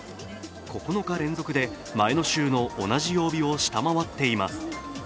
９日連続で前の週の同じ曜日を下回っています。